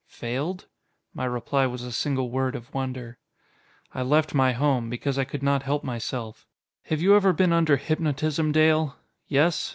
"Failed?" My reply was a single word of wonder. "I left my home: because I could not help myself. Have you ever been under hypnotism, Dale? Yes?